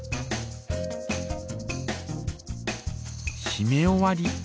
しめ終わり。